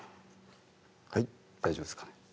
はい大丈夫ですかね